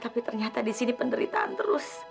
tapi ternyata di sini penderitaan terus